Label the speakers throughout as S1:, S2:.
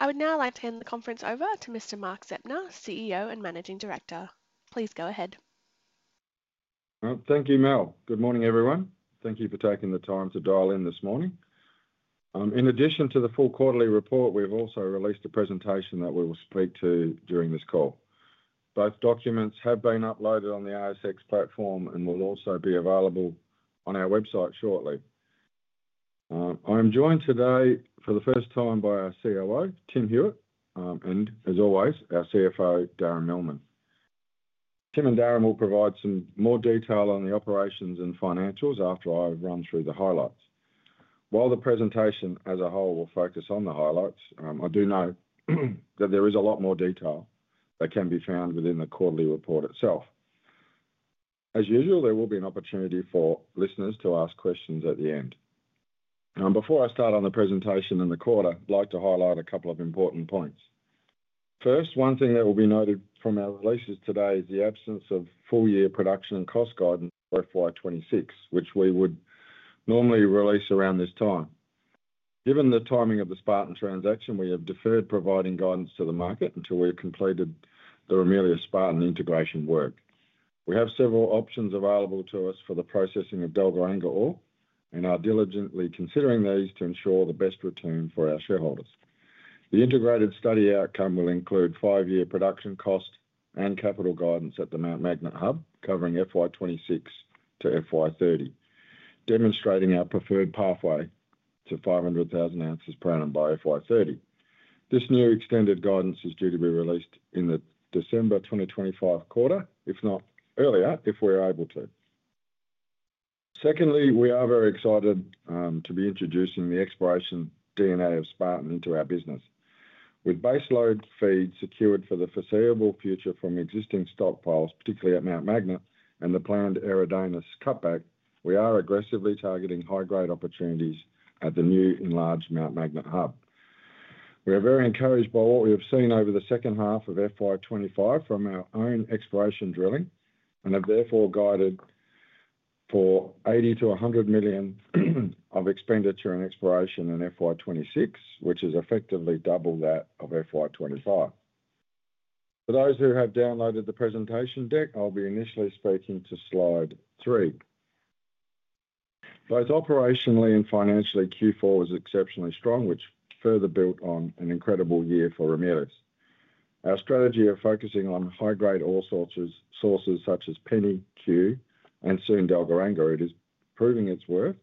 S1: I would now like to hand the conference over to Mr. Mark Zeptner, CEO and Managing Director. Please go ahead.
S2: Thank you. Good morning everyone. Thank you for taking the time to dial in this morning. In addition to the full quarterly report, we've also released a presentation that we will speak to during this call. Both documents have been uploaded on the ASX platform and will also be available on our website shortly. I am joined today for the first time by our COO Tim Hewitt and as always our CFO Darren Millman. Tim and Darren will provide some more detail on the operations and financials after I run through the highlights. While the presentation as a whole will focus on the highlights, I do know that there is a lot more detail that can be found within the quarterly report itself. As usual, there will be an opportunity for listeners to ask questions at the end. Before I start on the presentation and the quarter, I'd like to highlight a couple of important points. First, one thing that will be noted from our releases today is the absence of full year production and cost guidance for FY 2026 which we would normally release around this time. Given the timing of the Spartan transaction, we have deferred providing guidance to the market until we have completed the Ramelius Spartan integration work. We have several options available to us for the processing of Dalgaranga ore and are diligently considering these to ensure the best return for our shareholders. The integrated study outcome will include five year production, cost and capital guidance at the Mount Magnet hub covering FY 2026 to FY 2030, demonstrating our preferred pathway to 500,000 ounces per annum by FY 2030. This new extended guidance is due to be released in the December 2025 quarter if not earlier if we're able to. Secondly, we are very excited to be introducing the exploration DNA of Spartan into our business. With baseload feed secured for the foreseeable future from existing stockpiles, particularly at Mount Magnet and the planned Eridanus cutback, we are aggressively targeting high grade opportunities at the new enlarged Mount Magnet hub. We are very encouraged by what we have seen over the second half of FY 2025 from our own exploration drilling and have therefore guided for 80 million - 100 million of expenditure and exploration in FY 2026 which is effectively double that of FY 2025. For those who have downloaded the presentation deck, I'll be initially speaking to slide three. Both operationally and financially, Q4 was exceptionally strong which further built on an incredible year for Ramelius. Our strategy of focusing on high grade ore sources such as Penny, Cue, and soon Dalgaranga is proving its worth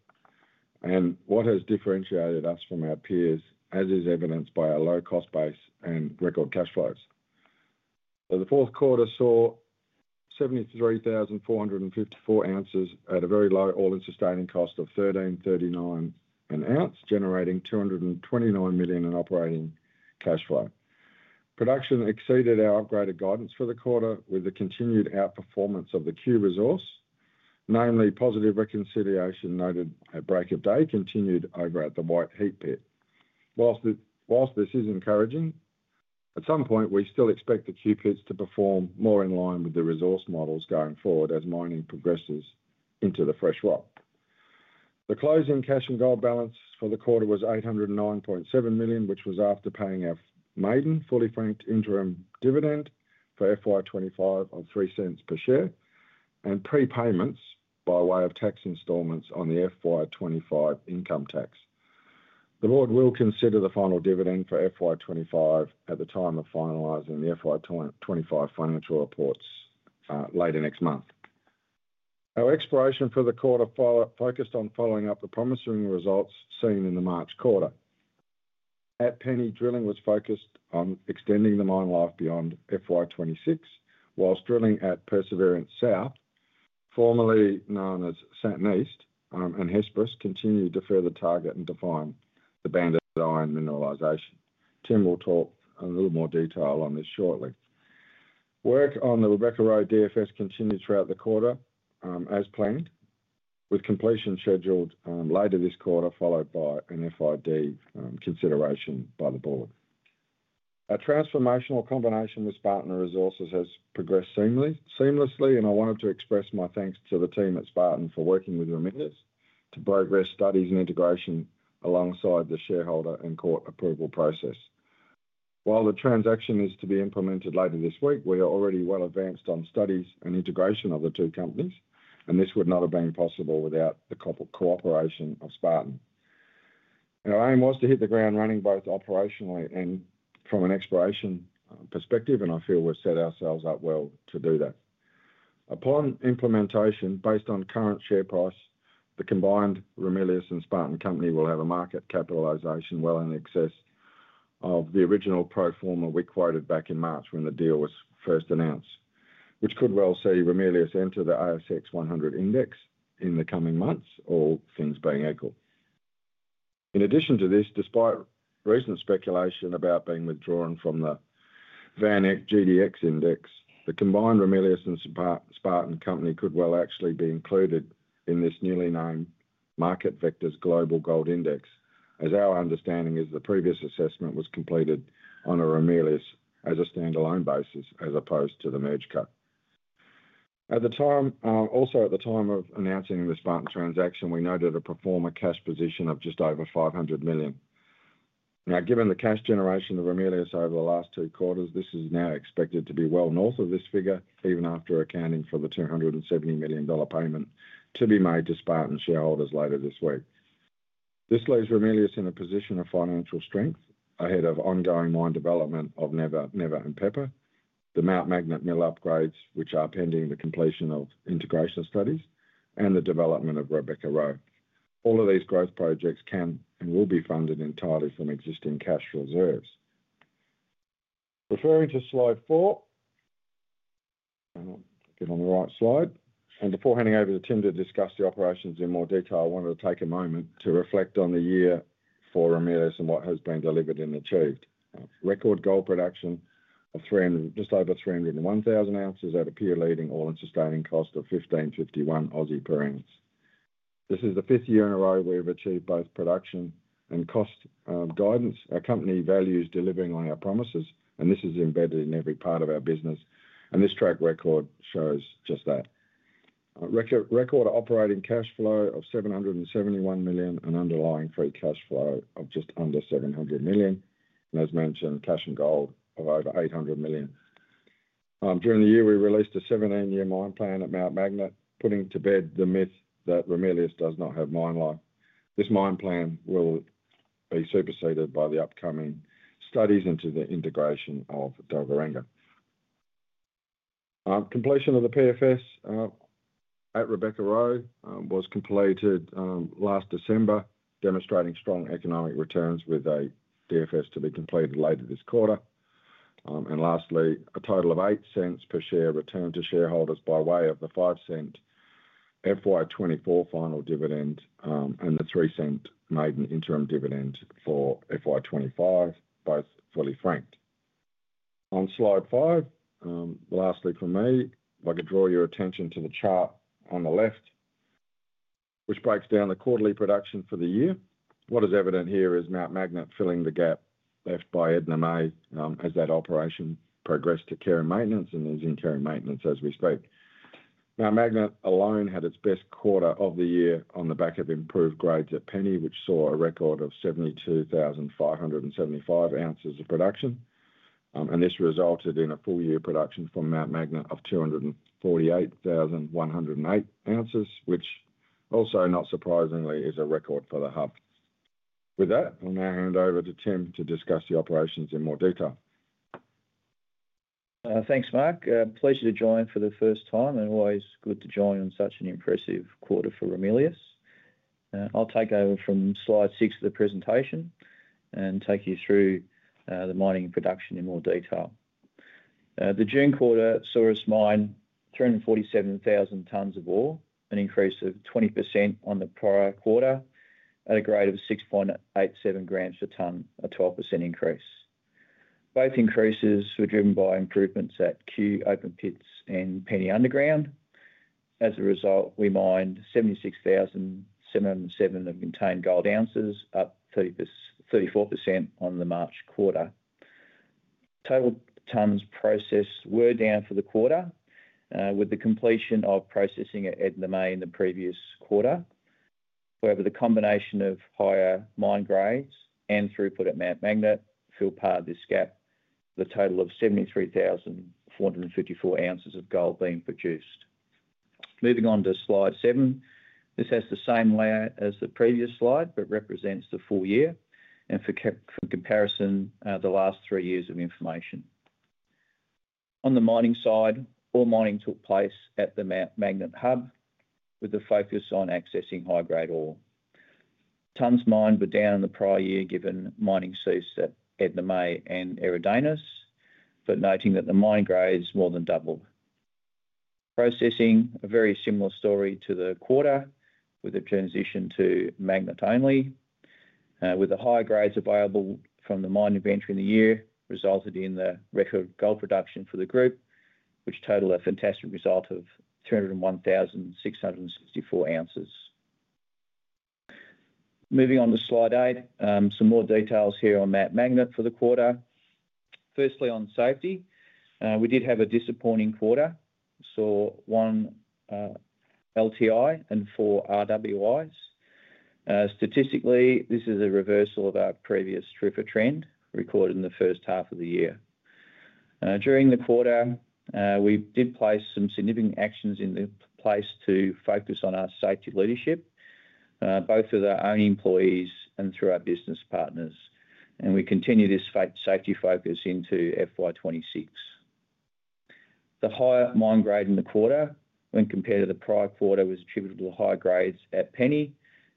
S2: and what has differentiated us from our peers as is evidenced by a low cost base and record cash flows. The fourth quarter saw 73,454 ounces at a very low all-in sustaining cost of 13.39 an ounce, generating 229 million in operating cash flow. Production exceeded our upgraded guidance for the quarter with the continued outperformance of the Cue resource, namely positive reconciliation noted at Break of Day continued over at the White Heat pit. Whilst this is encouraging, at some point we still expect the Cue pits to perform more in line with the resource models going forward as mining progresses into the fresh rock. The closing cash and gold balance for the quarter was 809.7 million, which was after paying our maiden fully franked interim dividend for FY 2025 of 0.03 per share and prepayments by way of tax installments on the FY 2025 income tax. The Board will consider the final dividend for FY 2025 at the time of finalizing the FY 2025 financial reports later next month. Our exploration for the quarter focused on following up the promising results seen in the March quarter at Penny. Drilling was focused on extending the mine life beyond FY 2026, whilst drilling at Perseverance South, formerly known as Séítah East, and Hesperus continued to further target and define the banded iron mineralization. Tim will talk a little more detail on this shortly. Work on the Rebecca DFS continued throughout the quarter as planned with completion scheduled later this quarter, followed by an FID consideration by the Board. Our transformational combination with Spartan Resources has progressed seamlessly and I wanted to express my thanks to the team at Spartan for working with Ramelius to progress studies and integration alongside the shareholder and court approval process. While the transaction is to be implemented later this week, we are already well advanced on studies and integration of the two companies and this would not have been possible without the cooperation of Spartan. Our aim was to hit the ground running both operationally and from an exploration perspective and I feel we've set ourselves up well to do that. Upon implementation, based on current share price, the combined Ramelius and Spartan Co. Will have a market capitalization well in excess of the original pro forma we quoted back in March when the deal was first announced, which could well see Ramelius enter the ASX100 index in the coming months, all things being equal. In addition to this, despite recent speculation about being withdrawn from the VanEck GDX Index, the combined Ramelius and Spartan could well actually be included in this newly named Market Vectors Global Gold Index as our understanding is the previous assessment was completed on Ramelius as a standalone basis as opposed to the merged cut at the time. Also, at the time of announcing this Spartan transaction, we noted a pro forma cash position of just over 500 million. Now, given the cash generation of Ramelius over the last two quarters, this is now expected to be well north of this figure, even after accounting for the 270 million dollar payment to be made to Spartan shareholders later this week. This leaves Ramelius in a position of financial strength ahead of ongoing mine development of Never and Pepper, the Mount Magnet mill upgrades which are pending the completion of integration studies, and the development of Rebecca. All of these growth projects can and will be funded entirely from existing cash reserves. Referring to slide four, get on the right slide and before handing over to Tim to discuss the operations in more detail, I wanted to take a moment to reflect on the year for Ramelius and what has been delivered and achieved: record gold production of just over 301,000 ounces at a peer-leading all-in sustaining cost of 15.51 per ounce. This is the fifth year in a row we've achieved both production and cost guidance. Our company values delivering on our promises and this is embedded in every part of our business and this track record shows just that. Record operating cash flow of 771 million and underlying free cash flow of just under 700 million and as mentioned cash and gold of over 800 million. During the year we released a 17-year mine plan at Mount Magnet putting to bed the myth that Ramelius does not have mine life. This mine plan will be superseded by the upcoming studies into the integration of Dalgaranga. Completion of the PFS at Rebecca was completed last December demonstrating strong economic returns with a DFS to be completed later this quarter. Lastly, a total of 0.08 per share returned to shareholders by way of the 0.05 FY 2024 final dividend and the 0.03 maiden interim dividend for FY 2025, both fully franked on slide five. Lastly, from me I could draw your attention to the chart on the left which breaks down the quarterly production for the year. What is evident here is Mount Magnet filling the gap left by Edna May as that operation progressed to care and maintenance and is in care and maintenance as we speak. Mount Magnet alone had its best quarter of the year on the back of improved grades at Penny which saw a record of 72,575 ounces of production and this resulted in a full year production from Mount Magnet of 248,108 ounces, which also not surprisingly is a record for the hub. With that I'll now hand over to Tim to discuss the operations in more data.
S3: Thanks Mark. Pleasure to join for the first time and always good to join on such an impressive quarter for Ramelius. I'll take over from slide six of the presentation and take you through the mining production in more detail. The June quarter saw us mine 347,000 tons of ore, an increase of 20% on the prior quarter at a grade of 6.87 grams per ton. At the 12% increase, both increases were driven by improvements at Cue open pits and Penny underground. As a result, we mined 76,707 of contained gold ounces, up 34% on the March quarter. Total tons processed were down for the quarter with the completion of processing at Edna May in the previous quarter. However, the combination of higher mine grades and throughput at Mount Magnet fill part of this gap, the total of 73,454 ounces of gold being produced. Moving on to slide seven. This has the same layout as the previous slide, but represents the full year and for comparison the last three years of information. On the mining side, all mining took place at the Mount Magnet hub with a focus on accessing high grade ore. tons mined were down in the prior year given mining ceased at Edna May and Eridanus, but noting that the mine grades more than doubled. Processing, a very similar story to the quarter with the transition to Magnet only with the higher grades available from the mine inventory in the year resulted in the record gold production for the group which total a fantastic result of 301,664 ounces. Moving on to slide eight. Some more details here on Mount Magnet for the quarter. Firstly on safety, we did have a disappointing quarter, saw one LTI and four RWIs. Statistically this is a reversal of our previous TRIFR trend recorded in the first half of the year. During the quarter we did place some significant actions in place to focus on our safety leadership, both with our own employees and through our business partners. We continue this safety focus into FY 2026. The higher mine grade in the quarter when compared to the prior quarter was attributable to higher grades at Penny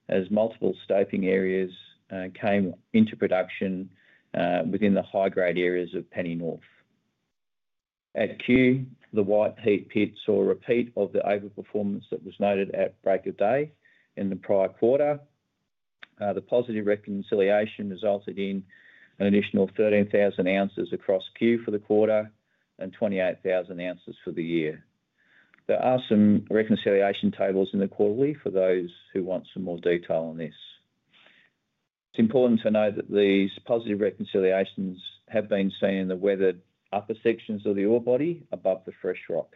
S3: as multiple stoping areas came into production within the high grade areas of Penny North. At Cue, the White Heat pit saw a repeat of the over performance that was noted at Break of Day. In the prior quarter the positive reconciliation resulted in an additional 13,000 ounces across Cue for the quarter and 28,000 ounces for the year. There are some reconciliation tables in the quarterly for those who want some more detail on this. It's important to note that these positive reconciliations have been seen in the weathered upper sections of the ore body above the fresh rock.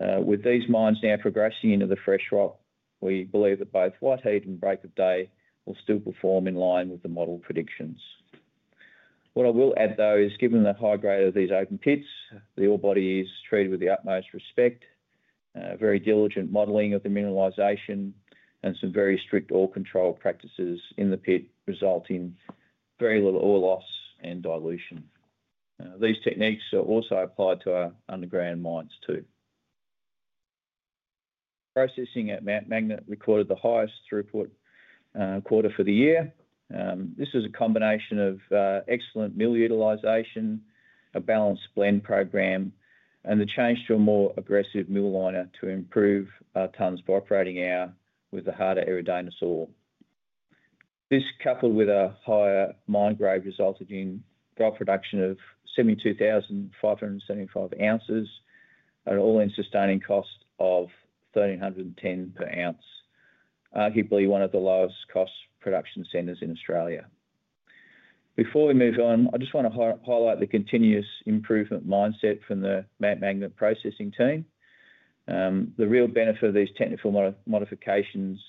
S3: With these mines now progressing into the fresh rock, we believe that both White Heat and Break of Day will still perform in line with the model predictions. What I will add though is given the high grade of these open pits, the ore body is treated with the utmost respect. Very diligent modeling of the mineralization and some very strict ore control practices in the pit resulting in very little ore loss and dilution. These techniques are also applied to our underground mines too. Processing at Mount Magnet recorded the highest throughput quarter for the year. This is a combination of excellent mill utilization, a balanced blend program, and the change to a more aggressive mill liner to improve tons per operating hour with the harder Eridanus ore. This, coupled with a higher mine grade, resulted in gold production of 72,575 ounces, an all-in sustaining cost (AISC) of 13.10 per ounce, arguably one of the lowest cost production centers in Australia. Before we move on, I just want to highlight the continuous improvement mindset from the Mount Magnet processing team. The real benefit of these technical modifications,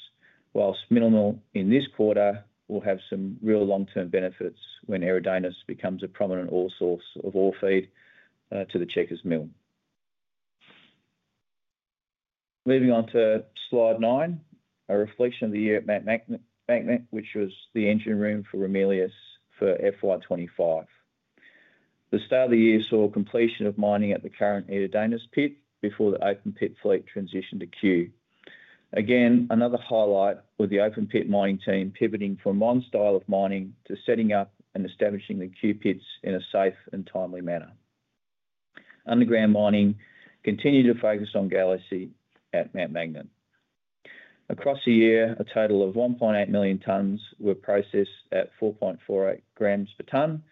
S3: whilst minimal in this quarter, will have some real long-term benefits when Eridanus becomes a prominent ore source of ore feed to the Checkers mill. Moving on to slide nine, a reflection of the year at Mount Magnet, which was the engine room for Ramelius for FY 2025. The start of the year saw completion of mining at the current Eridanus pit before the open pit fleet transitioned to Cue again. Another highlight with the open pit mining team pivoting from one style of mining to setting up and establishing the Cue pits in a safe and timely manner. Underground mining continued to focus on Galaxy at Mount Magnet. Across the year, a total of 1.8 million tons were processed at 4.48 grams per ton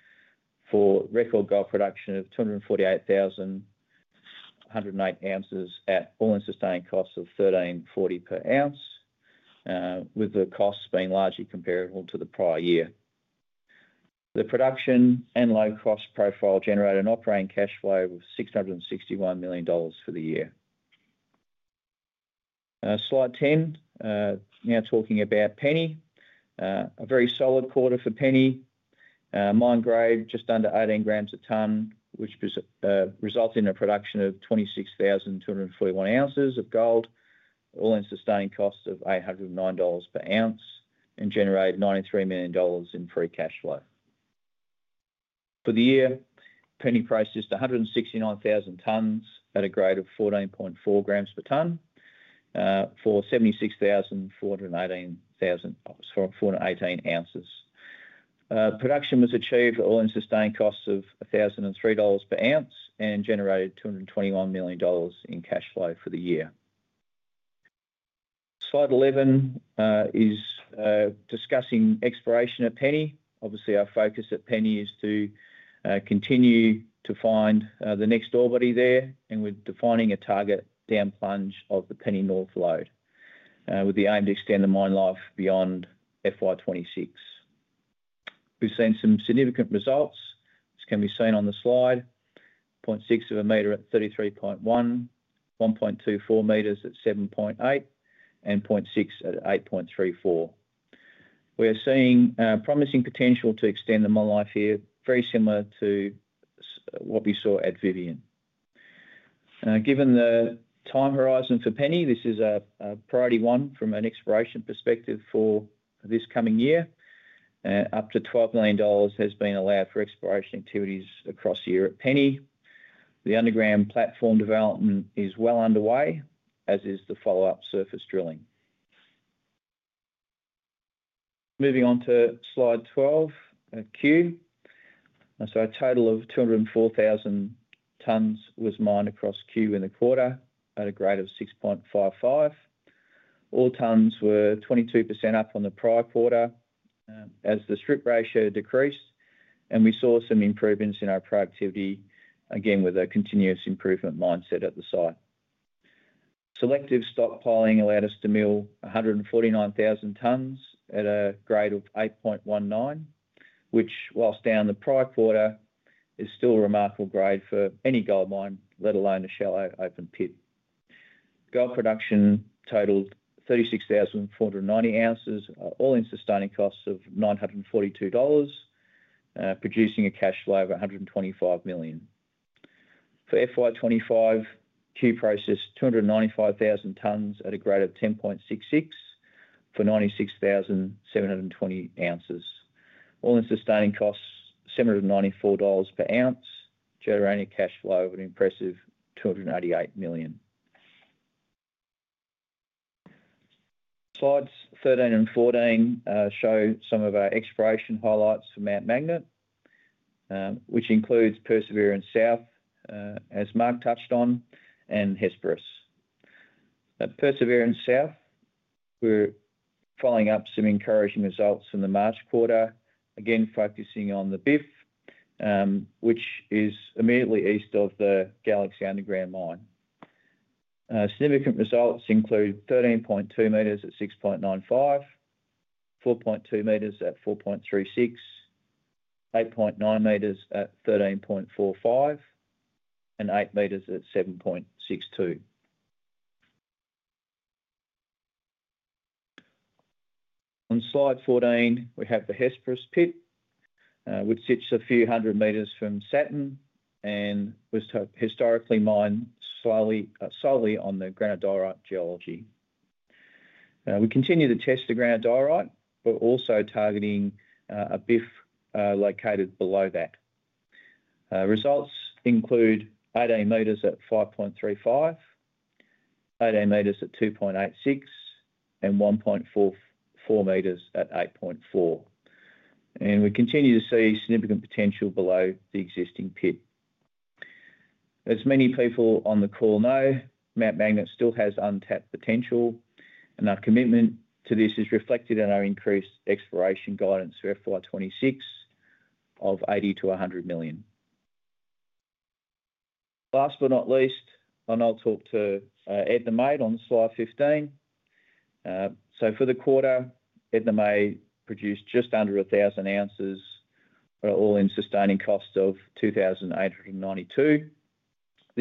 S3: for record gold production of 248,108 ounces at all-in sustaining costs of 13.40 per ounce, with the costs being largely comparable to the prior year. The production and low cost profile generated an operating cash flow of 661 million dollars for the year. Slide 10 now talking about Penny. A very solid quarter for Penny mine, grade just under 18 grams a ton, which resulted in a production of 26,241 ounces of gold, all-in sustaining cost of 809 dollars per ounce, and generated 93 million dollars in free cash flow for the year. Penny processed 169,000 tons at a grade of 14.4 grams per ton for 18,418 ounces. Production was achieved at all-in sustaining costs of 1,003 dollars per ounce and generated 221 million dollars in cash flow for the year. Slide 11 is discussing exploration at Penny. Obviously, our focus at Penny is to continue to find the next ore body there and we're defining a target down plunge of the Penny North Lode with the aim to extend the mine life beyond FY2026. We've seen some significant results as can be seen on the slide: 0.6 meters at 33.1, 1.24 meters at 7.8, and 0.6 at 8.34. We are seeing promising potential to extend the mine life here, very similar to what we saw at Vivian. Given the time horizon for Penny, this is a priority one from an exploration perspective. For this coming year, up to 12 million dollars has been allowed for exploration activities across Europe. Penny. The underground platform development is well underway, as is the follow-up surface drilling. Moving on to slide 12, Cue. A total of 204,000 tons was mined across Cue in the quarter at a grade of 6.55. All tons were 22% up on the prior quarter as the strip ratio decreased, and we saw some improvements in our productivity, again with a continuous improvement mindset at the site. Selective stockpiling allowed us to mill 149,000 tons at a grade of 8.19, which, whilst down on the prior quarter, is still a remarkable grade for any gold mine, let alone a shallow open pit. Gold production totaled 36,490 ounces, all-in sustaining costs of 942 dollars, producing a cash flow of 125 million. For FY 2025, Cue processed 295,000 tons at a grade of 10.66 for 96,720 ounces, all-in sustaining costs 794 dollars per ounce, generated cash flow of an impressive 288 million. Slides 13 and 14 show some of our exploration highlights for Mount Magnet, which includes Perseverance South as Mark touched on, and Hesperus Perseverance South. We're following up some encouraging results from the March quarter, again focusing on the BIF which is immediately east of the Galaxy Underground mine. Significant results include 13.2 meters at 6.95, 4.2 meters at 4.36, 8.9 meters at 13.45, and 8 meters at 7.6. On slide 14, we have the Hesperus Pit, which sits a few hundred meters from Saturn and was historically mined solely on the granite diorite geology. We continue to test the granite diorite but also targeting a BIF located below that. Results include 18 meters at 5.35, 18 meters at 2.86, and 1.44 meters at 8.4, and we continue to see significant potential below the existing pit. As many people on the call know, Mount Magnet still has untapped potential, and our commitment to this is reflected in our increased exploration guidance for FY 2026 of 80 million to 100 million. Last but not least, I'll talk to Edna May on slide 15. For the quarter, Edna May produced just under 1,000 ounces, all-in sustaining cost of 2,892.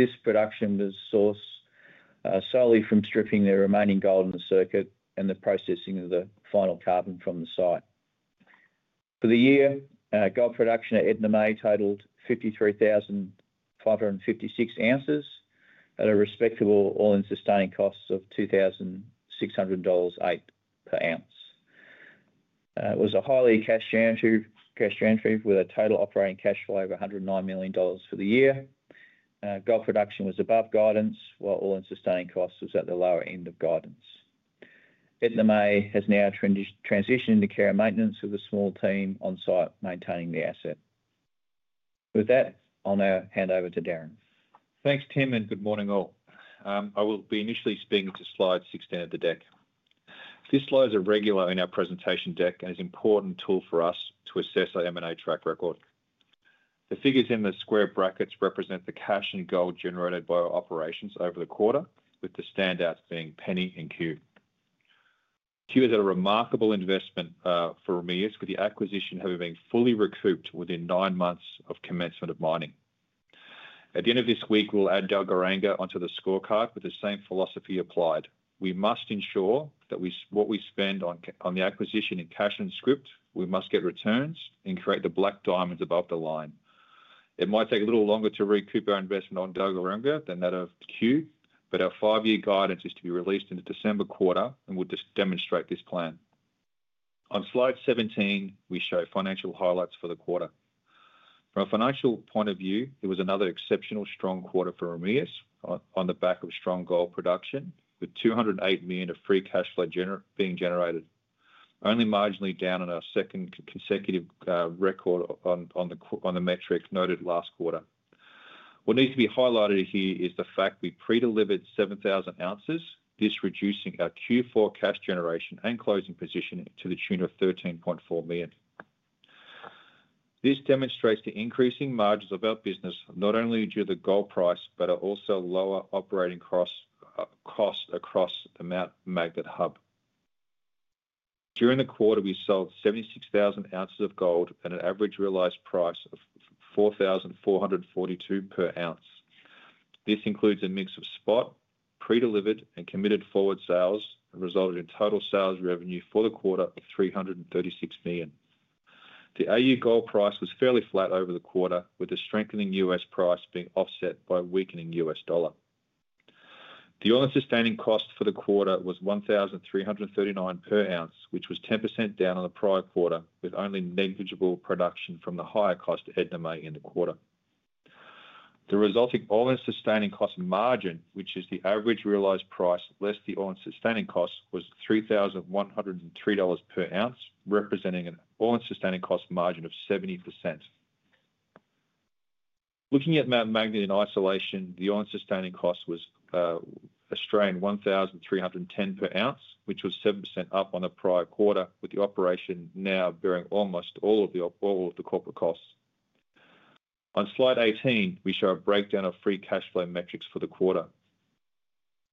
S3: This production was sourced solely from stripping the remaining gold in the circuit and the processing of the final carbon from the site. For the year, gold production at Edna May totaled 53,556 ounces at a respectable all-in sustaining cost of 2,600.80 dollars per ounce. It was highly cash generative with a total operating cash flow of 109 million dollars. For the year, gold production was above guidance while all-in sustaining cost was at the lower end of guidance. Edna May has now transitioned into care and maintenance with a small team on site maintaining the asset. With that, I'll now hand over to Darren.
S4: Thanks Tim and good morning all. I will be initially speaking to slide 16 of the deck. This slide is a regular in our presentation deck and is an important tool for us to assess our M&A track record. The figures in the square brackets represent the cash and gold generated by our operations over the quarter with the standouts being Penny and Cue. Cue is a remarkable investment for Ramelius with the acquisition having been fully recouped within nine months of commencement of mining. At the end of this week we'll add Dalgaranga onto the scorecard with the same philosophy applied. We must ensure that what we spend on the acquisition in cash and scrip, we must get returns and create the black diamonds above the line. It might take a little longer to recoup our investment on Dalgaranga than that of Cue, but our five year guidance is to be released in the December quarter and we'll demonstrate this plan. On slide 17 we show financial highlights for the quarter. From a financial point of view, it was another exceptionally strong quarter for Ramelius on the back of strong gold production with 208 million of free cash flow generated, being generated only marginally down on our second consecutive record on the metric noted last quarter. What needs to be highlighted here is the fact we pre-delivered 7,000 ounces. This reduced our Q4 cash generation and closing position to the tune of 13.4 million. This demonstrates the increasing margins of our business not only due to the gold price but also lower operating cost across the Mount Magnet hub. During the quarter we sold 76,000 ounces of gold at an average realized price of 4,442 per ounce. This includes a mix of spot, pre-delivered, and committed forward sales, resulting in total sales revenue for the quarter of 336 million. The Au gold price was fairly flat over the quarter with the strengthening U.S. price being offset by weakening U.S. dollar. The all-in sustaining cost for the quarter was 1,339 per ounce, which was 10% down on the prior quarter with only negligible production from the higher cost Edna May in the quarter. The resulting all-in sustaining cost margin, which is the average realized price less the all-in sustaining cost, was 3,103 dollars per ounce, representing an all-in sustaining cost margin of 70%. Looking at Mount Magnet in isolation, the all-in sustaining cost was 1,310 per ounce, which was 7% up on the prior quarter with the operation now bearing almost all of the corporate costs. On slide 18 we show a breakdown of free cash flow metrics for the quarter.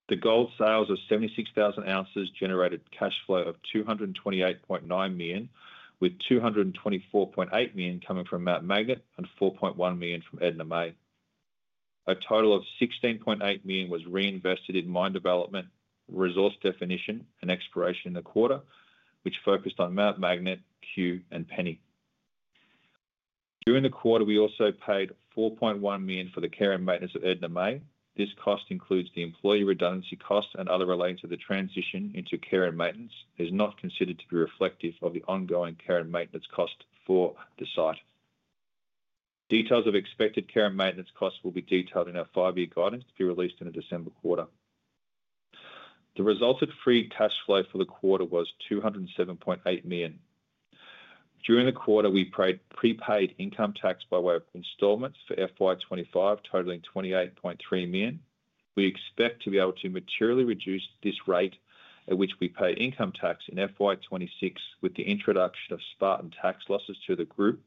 S4: The gold sales of 76,000 ounces generated cash flow of 228.9 million with 224.8 million coming from Mount Magnet and 4.1 million from Edna May. A total of 16.8 million was reinvested in mine development, resource definition and exploration in the quarter which focused on Mount Magnet, Cue and Penny. During the quarter we also paid 4.1 million for the care and maintenance of Edna May. This cost includes the employee redundancy cost and other costs relating to the transition into care and maintenance. It is not considered to be reflective of the ongoing care and maintenance cost for the site. Details of expected care and maintenance costs will be detailed in our five-year guidance to be released in the December quarter. The resulting free cash flow for the quarter was 207.8 million. During the quarter we paid prepaid income tax by way of installments for FY 2025 totaling 28.3 million. We expect to be able to materially reduce this rate at which we pay income tax in FY 2026 with the introduction of Spartan tax losses to the group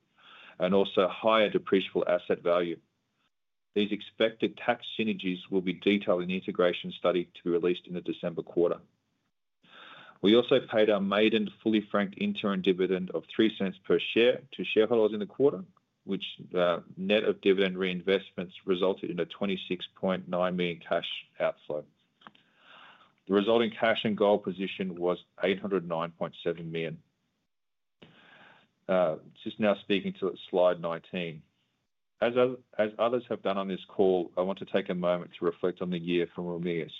S4: and also higher depreciable asset value. These expected tax synergies will be detailed in the integration study to be released in the December quarter. We also paid our maiden fully franked interim dividend of 0.03 per share to shareholders in the quarter which, net of dividend reinvestments, resulted in a 26.9 million cash outflow. The resulting cash and gold position was 809.7 million. Just now speaking to slide 19 as others have done on this call, I want to take a moment to reflect on the year from Ramelius.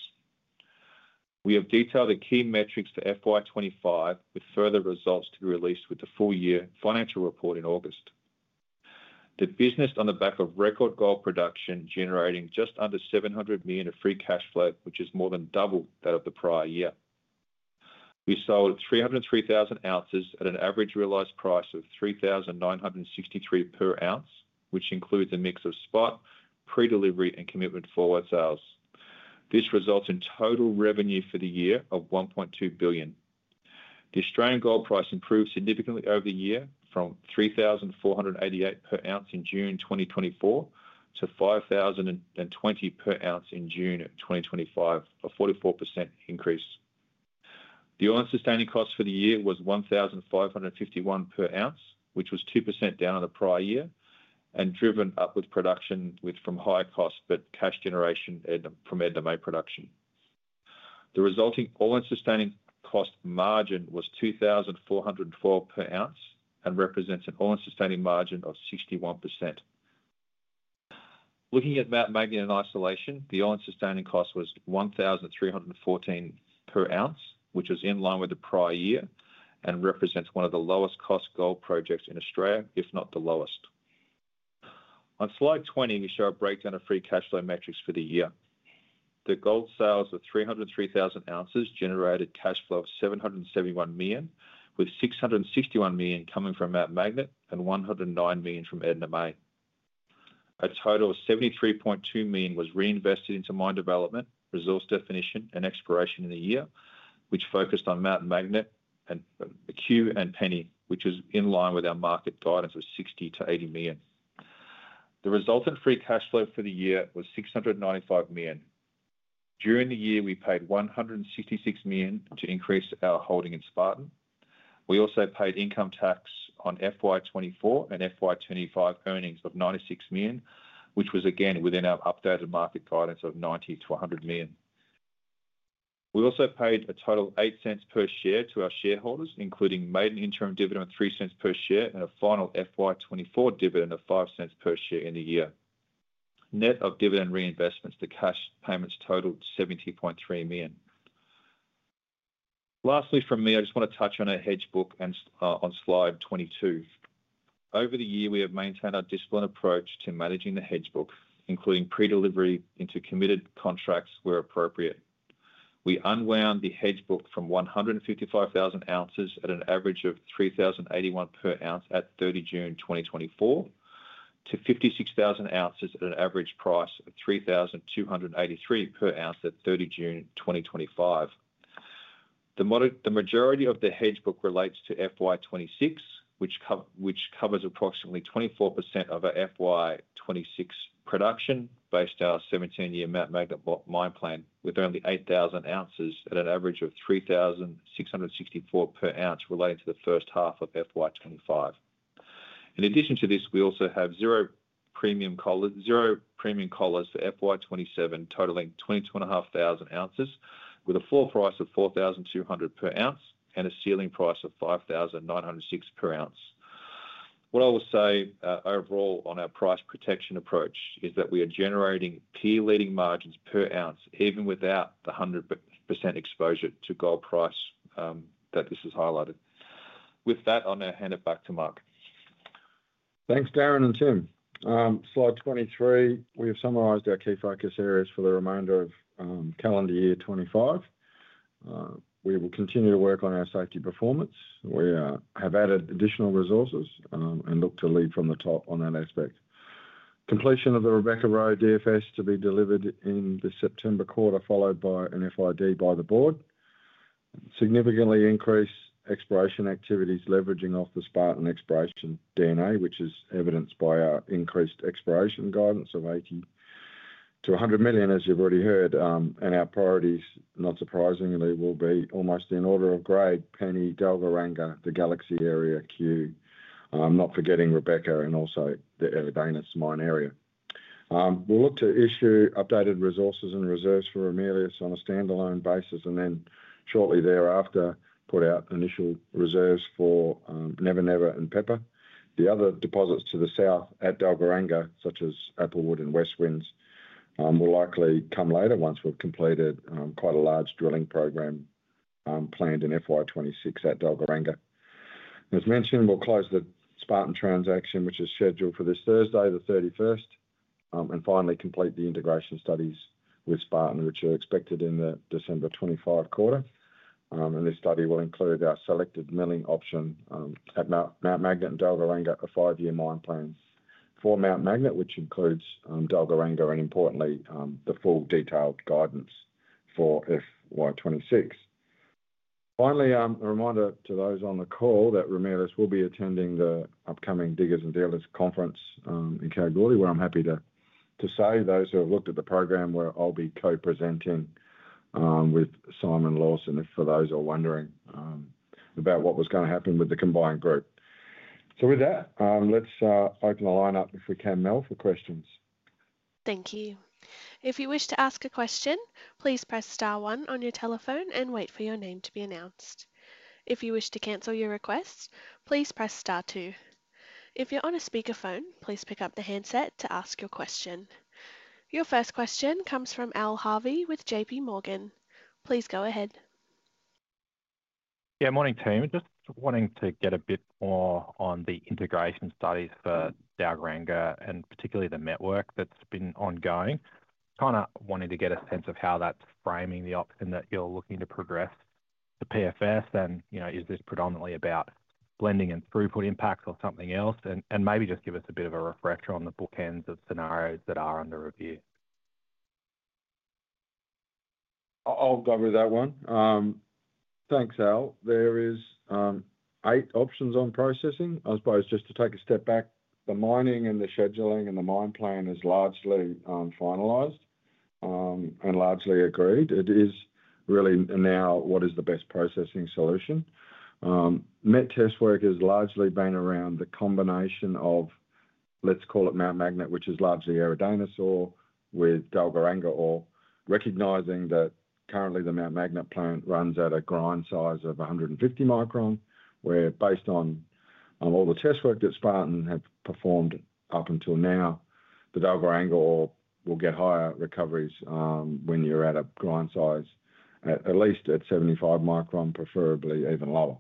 S4: We have detailed the key metrics for FY 2025 with further results to be released with the full year financial report in August. The business on the back of record gold production generating just under 700 million of free cash flow which is more than double that of the prior year. We sold 303,000 ounces at an average realized price of 3,963 per ounce which includes a mix of spot, pre-delivery and commitment forward sales. This results in total revenue for the year of 1.2 billion. The Australian gold price improved significantly over the year from 3,488 per ounce in June 2024 to 5,020 per ounce in June 2025, a 44% increase. The all-in sustaining cost for the year was 1,551 per ounce which was 2% down on the prior year and driven up with production from high cost but cash generation from Edna May production. The resulting all-in sustaining cost margin was 2,404 per ounce and represents an all-in sustaining margin of 61%. Looking at Mount Magnet in isolation, the all-in sustaining cost was 1,314 per ounce, which was in line with the prior year and represents one of the lowest cost gold projects in Australia, if not the lowest. On slide 20, we show a breakdown of free cash flow metrics for the year. The gold sales of 303,000 ounces generated cash flow of 771 million, with 661 million coming from Mount Magnet and 109 million from Edna May. A total of 73.2 million was reinvested into mine development, resource definition, and exploration in the year, which focused on Mount Magnet, Cue, and Penny, which is in line with our market guidance of 60 million - 80 million. The resultant free cash flow for the year was 695 million. During the year, we paid 166 million to increase our holding in Spartan. We also paid income tax on FY 2024 and FY 2025 earnings of 96 million, which was again within our updated market guidance of 90 million - 100 million. We also paid a total 0.08 per share to our shareholders, including an interim dividend of 0.03 per share and a final FY 2024 dividend of 0.05 per share in the year. Net of dividend reinvestments, the cash payments totaled 70.3 million. Lastly, I just want to touch on our hedge book on slide 22. Over the year, we have maintained our disciplined approach to managing the hedge book, including pre-delivery into committed contracts where appropriate. We unwound the hedge book from 155,000 ounces at an average of 3,081 per ounce at 30 June 2024 to 56,000 ounces at an average price of 3,283 per ounce at 30 June 2025. The majority of the hedge book relates to FY 2026, which covers approximately 24% of our FY 2026 production based on our 17-year Mount Magnet mine plan, with only 8,000 ounces at an average of 3,664 per ounce relating to the first half of FY 2025. In addition to this, we also have zero-cost collars for FY 2027 totaling 22,500 ounces with a floor price of 4,200 per ounce and a ceiling price of 5,906 per ounce. What I will say overall on our price protection approach is that we are generating peer-leading margins per ounce even without the 100% exposure to gold price. That this is highlighted. With that, I'll now hand it back to Mark.
S2: Thanks Darren and Tim. Slide 23, we have summarised our key focus areas for the remainder of calendar year 2025. We will continue to work on our safety performance. We have added additional resources and look to lead from the top on that aspect. Completion of the Rebecca DFS to be delivered in the September quarter followed by an FID by the board, significantly increase exploration activities leveraging off the Spartan exploration DNA, which is evidenced by our increased exploration guidance of 80 million - 100 million as you've already heard, and our priorities, not surprisingly, will be almost in order of grade: Penny, Dalgaranga, the Galaxy Area, Cue, not forgetting Rebecca, and also the Eridanus mine area. We'll look to issue updated resources and reserves for Ramelius on a standalone basis and then shortly thereafter put out initial reserves for Never Never and Pepper. The other deposits to the south at Dalgaranga, such as Applewood and West Winds, will likely come later once we've completed quite a large drilling program planned in FY 2026 at Dalgaranga. As mentioned, we'll close the Spartan transaction, which is scheduled for this Thursday the 31st, and finally complete the integration studies with Spartan, which are expected in the December 2025 quarter. This study will include our selected milling option at Mount Magnet and Dalgaranga, a five-year mine plan for Mount Magnet which includes Dalgaranga, and importantly the full detailed guidance for FY 2026. Finally, a reminder to those on the call that Ramelius will be attending the upcoming Diggers and Dealers conference in Kalgoorlie, where I'm happy to say those who have looked at the program, where I'll be co-presenting with Simon Lawson for those who are wondering about what was going to happen with the combined group. With that, let's open the line up if we can, Mel, for questions.
S1: Thank you. If you wish to ask a question, please press star one on your telephone and wait for your name to be announced. If you wish to cancel your request, please press star two. If you're on a speakerphone, please pick up the handset to ask your question. Your first question comes from Al Harvey with JPMorgan. Please go ahead.
S5: Yeah, morning team. Just wanting to get a bit more on the integration studies for Dalgaranga and particularly the network that's been ongoing. Kind of wanting to get a sense of how that's framing the option that you're looking to progress to PFS and you know, is this predominantly about blending and throughput impacts or something else? Maybe just give us a bit of a refresher on the bookends of. Scenarios that are under review.
S2: I'll go with that one. Thanks, Al. There are eight options on processing. I suppose just to take a step back, the mining and the scheduling and the mine plan is largely finalized and largely agreed. It is really now what is the best processing solution. Met test work has largely been around the combination of, call it, Mount Magnet, which is largely Eridanus with Dalgaranga ore, recognizing that currently the Mount Magnet plant runs at a grind size of 150 micron, where based on all the test work that Spartan have performed up until now, the Dalgaranga ore will get higher recoveries when you're at a grind size at least at 75 micron, preferably even lower.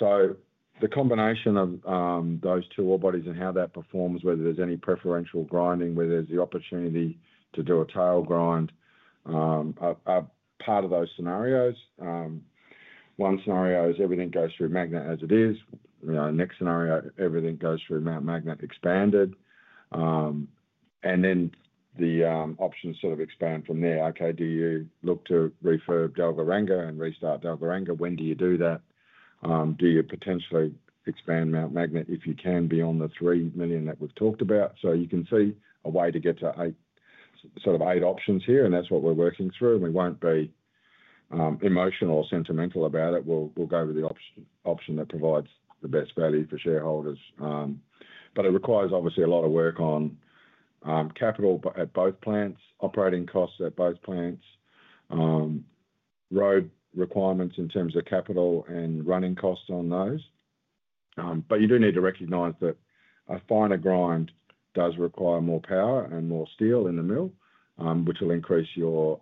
S2: The combination of those two ore bodies and how that performs, whether there's any preferential grinding, where there's the opportunity to do a tail grind, are part of those scenarios. One scenario is everything goes through Mount Magnet as it is. Next scenario, everything goes through Mount Magnet expanded and then the options sort of expand from there. Do you look to refurb Dalgaranga and restart Dalgaranga? When do you do that? Do you potentially expand Mount Magnet? If you can be on the 3 million that we've talked about. You can see a way to get to eight, sort of eight options here. That's what we're working through. We won't be emotional or sentimental about it. We'll go over the option that provides the best value for shareholders. It requires obviously a lot of work on capital at both plants, operating costs at both plants, road requirements in terms of capital and running costs on those. You do need to recognize that a finer grind does require more power and more steel in the mill, which will increase your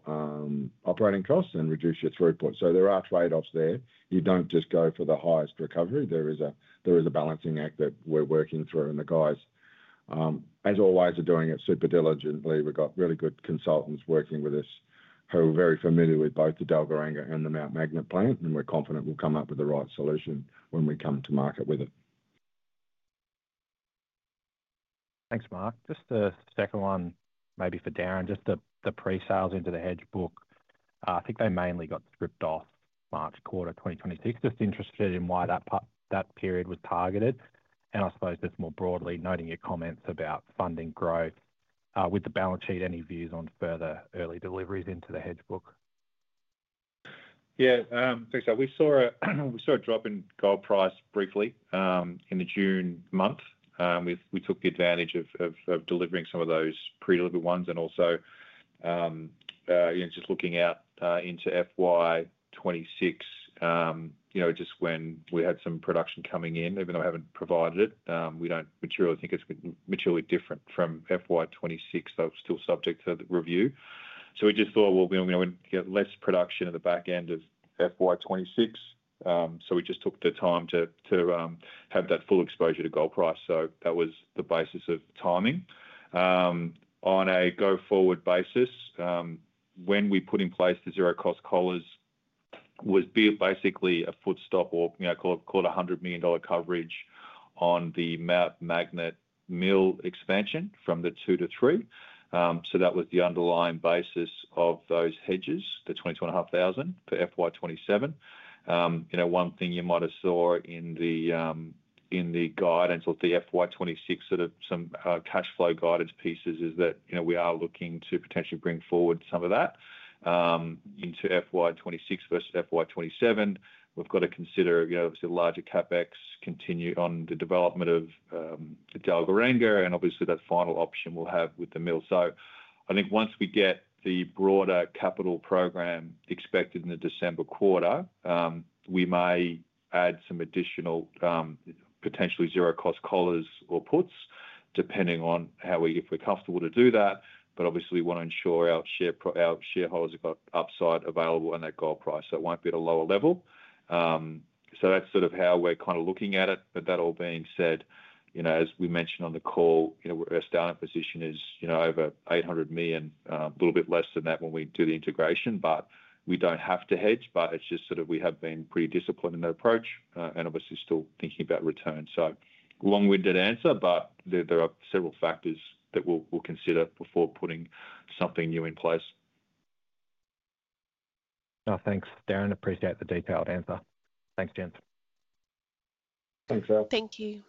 S2: operating costs and reduce your throughput. There are trade offs there. You don't just go for the highest recovery. There is a balancing act that we're working through and the guys, as always, are doing it super diligently. We've got really good consultants working with us who are very familiar with both the Dalgaranga and the Mount Magnet plant and we're confident we'll come up with the right solution when we come to market with it.
S5: Thanks, Mark. Just the second one maybe for Darren. Just the pre-sales into the hedge book. Book, I think they mainly got stripped off March quarter 2026. Just interested in why that part, that period was targeted, and I suppose just more broadly noting your comments about funding growth with the balance sheet. Any views on further early deliveries into the hedge book?
S4: Yeah, we saw a drop in gold price briefly in the June month. We took the advantage of delivering some of those pre-delivered ones and also just looking out into FY 2026, you know, just when we had some production coming in, even though I haven't provided it, we don't think it's materially different from FY 2026. That's still subject to review. We just thought we get less production at the back end of FY 2026, so we just took the time to have that full exposure to gold price. That was the basis of timing on a go-forward basis. When we put in place the zero-cost collars, it was basically a footstep or called 100 million dollar coverage on the Mount Magnet mill expansion from the 2 to 3. That was the underlying basis of those hedges. The 22,500 for FY 2027. One thing you might have seen in the guidance of the FY 2026 sort of some cash flow guidance pieces is that we are looking to potentially bring forward some of that into FY 2026 versus FY 2027. We've got to consider larger CapEx, continue on the development of Dalgaranga, and obviously that final option we'll have with the mill. I think once we get the broader capital program expected in the December quarter, we may add some additional potentially zero-cost collars or puts depending on if we're comfortable to do that. Obviously, we want to ensure our shareholders have got upside available on that gold price, so it won't be at a lower level. That's sort of how we're kind of looking at it. That all being said, as we mentioned on the call, our startup position is over 800 million. A little bit less than that when we do the integration, but we don't have to hedge. We have been pretty disciplined in that approach and obviously still thinking about returns. Long-winded answer, but there are several factors that we'll consider before putting something new in place.
S5: Thanks, Darren. Appreciate the detailed answer. Thanks Jens.
S2: Thanks El.
S1: Thank you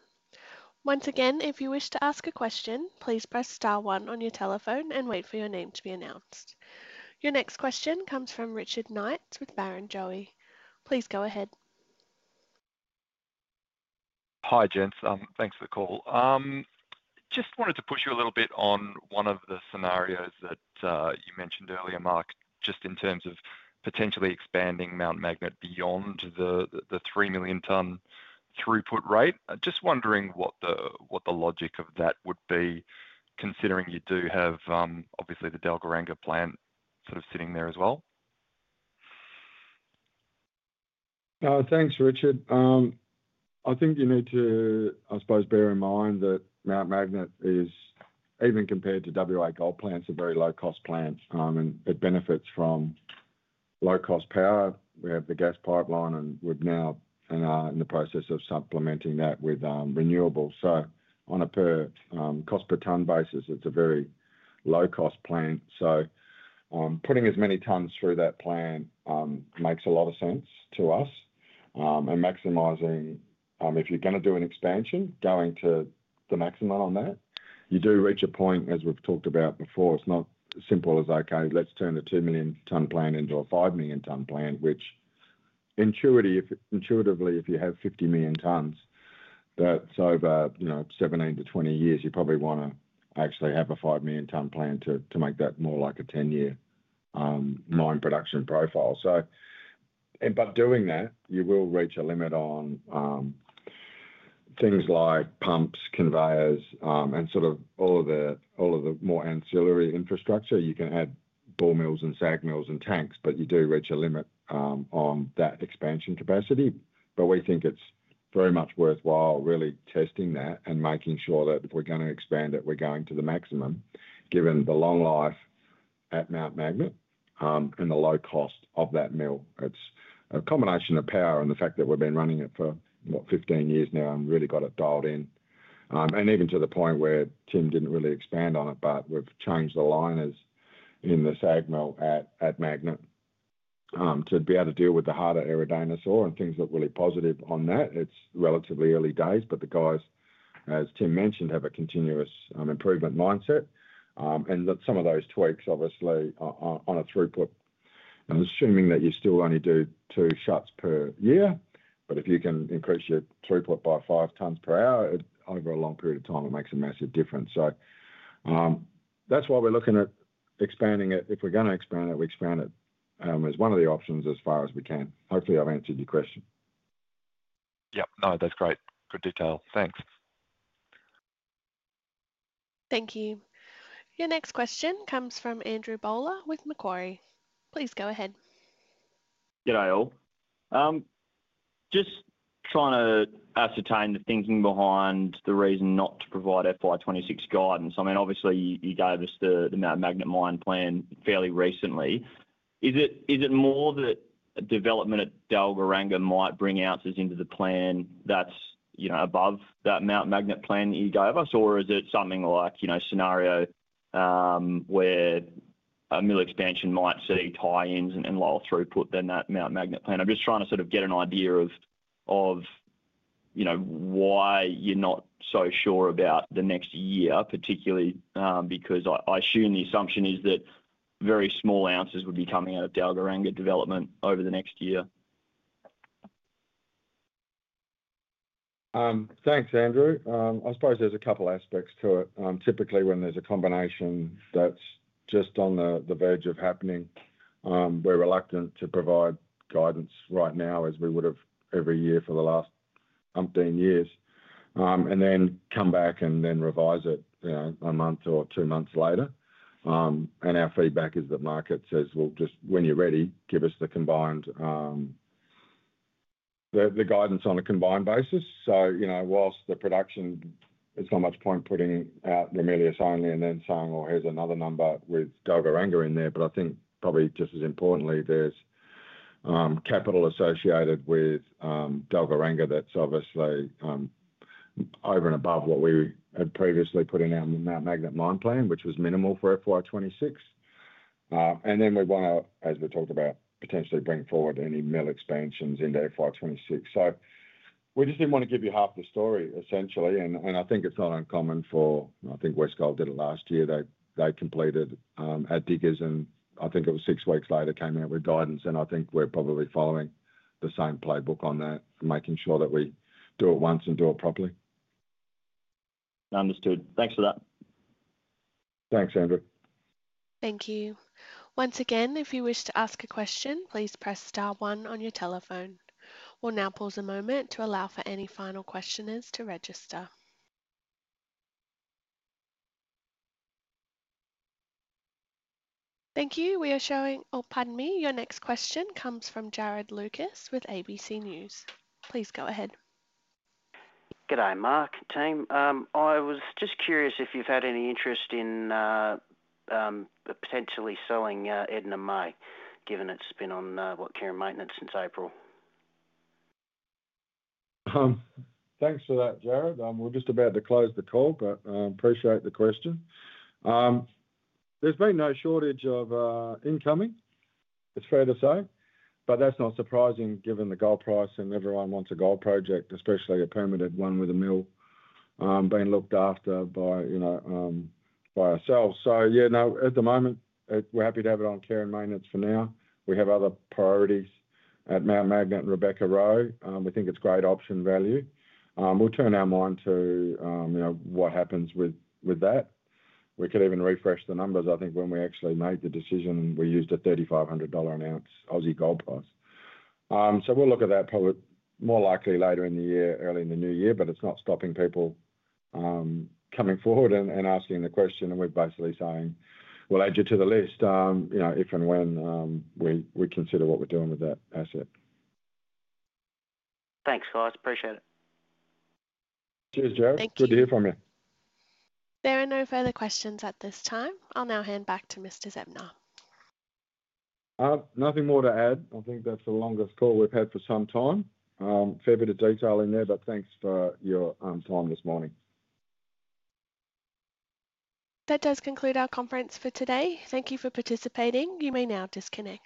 S1: once again. If you wish to ask a question, please press Star one on your telephone and wait for your name to be announced. Your next question comes from Richard Knights with Barrenjoey. Please go ahead.
S6: Hi gents, thanks for the call. Just wanted to push you a little bit on one of the scenarios that you mentioned earlier, Mark, just in terms of potentially expanding Mount Magnet beyond the 3 million ton throughput rate. Just wondering what the logic of that would be considering you do have obviously the Dalgaranga plant sort of sitting there as well.
S2: Thanks, Richard. I think you need to, I suppose, bear in mind that Mount Magnet is, even compared to Western Australia gold plants, a very low cost plant and it benefits from low cost power. We have the gas pipeline and we're now in the process of supplementing that with renewables. On a per cost, per ton basis, it's a very low cost plant. Putting as many tons through that plant makes a lot of sense to us, and maximizing, if you're going to do an expansion, going to the maximum on that. You do reach a point, as we've talked about before, it's not as simple as, okay, let's turn the 2 million ton plant into a 5 million ton plant, which intuitively, if you have 50 million tons, that's over 17 - 20 years, you probably want to actually have a 5 million ton plant to make that more like a 10 year mine production profile. By doing that, you will reach a limit on things like pumps, conveyors, and all of the more ancillary infrastructure. You can add ball mills and SAG mills and tanks, but you do reach a limit on that expansion capacity. We think it's very much worthwhile really testing that and making sure that if we're going to expand it, we're going to the maximum, given the long life at Mount Magnet and the low cost of that mill. It's a combination of power and the fact that we've been running it for, what, 15 years now and really got it dialed in, and even to the point where Tim didn't really expand on it, but we've changed the liners in the SAG mill at Magnet to be able to deal with the harder Eridanus and things look really positive on that. It's relatively early days, but the guys, as Tim mentioned, have a continuous improvement mindset, and some of those tweaks, obviously on a throughput, and assuming that you still only do two shuts per year, if you can increase your throughput by 5 tons per hour over a long period of time, it makes a massive difference. That's why we're looking at expanding it. If we're going to expand it, we expand it as one of the options as far as we can, hopefully. I've answered your question.
S6: Yep. No, that's great. Good detail. Thanks.
S1: Thank you. Your next question comes from Andrew Bowler with Macquarie. Please go ahead.
S7: G'day all. Just trying to ascertain the thinking behind the reason not to provide FY 2026 guidance. I mean, obviously you gave us the Mount Magnet mine plan fairly recently. Is it more that development at Dalgaranga might bring ounces into the plan that's above that Mount Magnet plan you gave us, or is it something like a scenario where a mill expansion might see tie-ins and lower throughput than that Mount Magnet plan? I'm just trying to get an idea of why you're not so sure about the next year, particularly because I assume the assumption is that very small ounces would be coming out of Dalgaranga development over the next year.
S2: Thanks, Andrew. I suppose there's a couple aspects to it. Typically, when there's a combination that's just on the verge of happening, we're reluctant to provide guidance right now as we would have every year for the last umpteen years and then come back and revise it a month or two months later. Our feedback is that market says, just when you're ready, give us the guidance on a combined basis. You know, whilst the production, there's not much point putting out Ramelius only and then saying, oh, here's another number with Dalgaranga in there. I think probably just as importantly, there's capital associated with Dalgaranga. That's obviously over and above what we had previously put in our Mount Magnet mine plan, which was minimal for FY 2026. We want to, as we talked about, potentially bring forward any mill expansions into FY 2026. We just didn't want to give you half the story, essentially. I think it's not uncommon for, I think Westgold did it last year, they completed at Diggers and I think it was six weeks later came out with guidance. I think we're probably following the same playbook on that, making sure that we do it once and do it properly.
S7: Understood. Thanks for that.
S2: Thanks, Andrew.
S1: Thank you once again. If you wish to ask a question, please press star one on your telephone. We'll now pause a moment to allow for any final questioners to register. Thank you. Your next question comes from Jarrod Lucas with ABC News. Please go ahead.
S8: G'day, Mark team. I was just curious if you've had any interest in potentially selling Edna May, given it's been on care and maintenance since April.
S2: Thanks for that, Jarrod. We're just about to close the call, but appreciate the question. There's been no shortage of incoming, it's fair to say, but that's not surprising given the gold price. Everyone wants a gold project, especially a permitted one with a mill being looked after by ourselves. At the moment we're happy to have it on care and maintenance for now. We have other priorities at Mount Magnet and Rebecca. We think it's great option value. We'll turn our mind to what happens with that. We could even refresh the numbers. I think when we actually made the decision, we used a 3,500 dollar an ounce Aussie gold price. We'll look at that more likely later in the year, early in the new year. It's not stopping people coming forward and asking the question. We're basically saying, we'll add you to the list if and when we consider what we're doing with that asset.
S8: Thanks, guys. Appreciate it.
S2: Cheers, Jarrod. Good to hear from you.
S1: There are no further questions at this time. I'll now hand back to Mr. Zeptner.
S2: Nothing more to add. I think that's the longest call we've had for some time. Fair bit of detail in there, but thanks for your time this morning.
S1: That does conclude our conference for today. Thank you for participating. You may now disconnect.